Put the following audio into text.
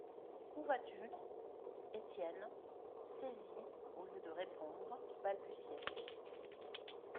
Où vas-tu ? Étienne, saisi, au lieu de répondre, balbutiait.